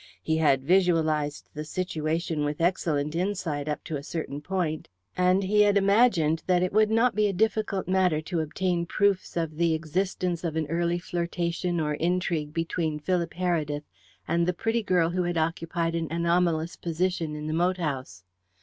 He had visualized the situation with excellent insight up to a certain point, and he had imagined that it would not be a difficult matter to obtain proofs of the existence of an early flirtation or intrigue between Phil Heredith and the pretty girl who had occupied an anomalous position in the moat house.